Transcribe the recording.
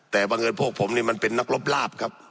แต่บังเอิญพวกผมนี่มันเป็นนักรบลาบครับ